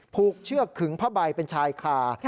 เชือกขึงผ้าใบเป็นชายคา